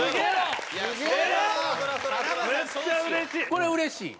これうれしい？